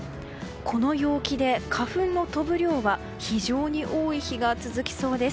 この陽気で花粉の飛ぶ量は非常に多い日が続きそうです。